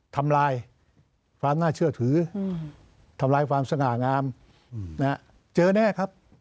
ทำลายภายในเชื่อถือธำลายความสง่างน้ำงไม่ฮะเจอแน่ครับ